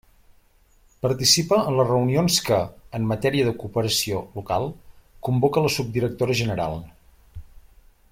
Participa en les reunions que, en matèria de cooperació local, convoca la subdirectora general.